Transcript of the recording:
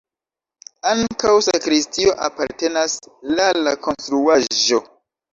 Ankaŭ sakristio apartenas la la konstruaĵo.